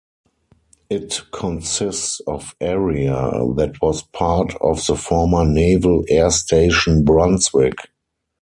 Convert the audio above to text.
It consists of area that was part of the former Naval Air Station Brunswick.